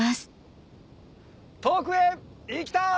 遠くへ行きたい！